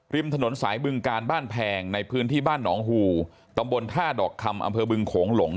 ริมถนนสายบึงการบ้านแพงในพื้นที่บ้านหนองหูตำบลท่าดอกคำอำเภอบึงโขงหลง